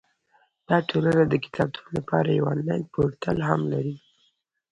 دا ټولنه د کتابتون لپاره یو انلاین پورتل هم لري.